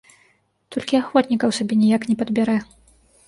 Толькі ахвотнікаў сабе ніяк не падбярэ.